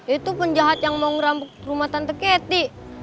itu penjahat yang mau ngerambuk rumah tante ketty